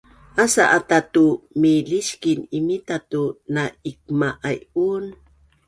asa ata tu miliskin imita tu na’ikma’aiun